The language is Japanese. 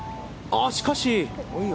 しかし。